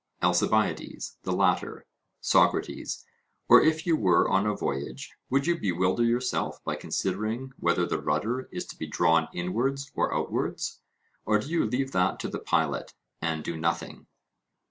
ALCIBIADES: The latter. SOCRATES: Or if you were on a voyage, would you bewilder yourself by considering whether the rudder is to be drawn inwards or outwards, or do you leave that to the pilot, and do nothing?